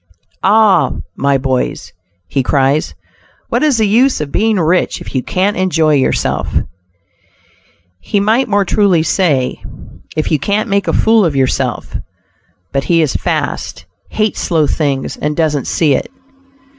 "Ah! my boys," he cries, "what is the use of being rich, if you can't enjoy yourself?" He might more truly say, "if you can't make a fool of yourself;" but he is "fast," hates slow things, and doesn't "see it."